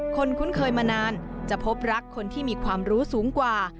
คุ้นเคยมานานจะพบรักคนที่มีความรู้สูงกว่า